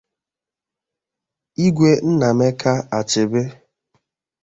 Igwe Nnaemeka Achebe